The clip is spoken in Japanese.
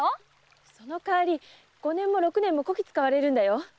その代わり五年も六年もこき使われるんだよ。